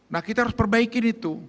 nah kita harus perbaikin itu